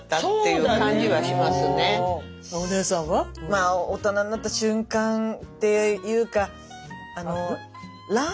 まあ大人になった瞬間っていうかえ？